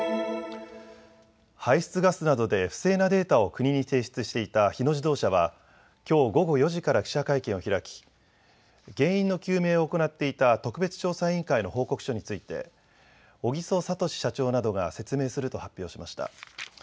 排出ガスなどで不正なデータを国に提出していた日野自動車はきょう午後４時から記者会見を開き原因の究明を行っていた特別調査委員会の報告書について小木曽聡社長などが説明すると発表しました。